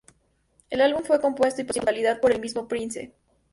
El álbum fue compuesto y producido en su totalidad por el mismo Prince.